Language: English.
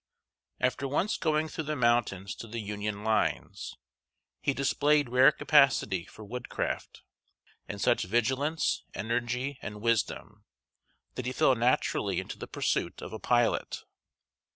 After once going through the mountains to the Union lines, he displayed rare capacity for woodcraft, and such vigilance, energy, and wisdom, that he fell naturally into the pursuit of a pilot.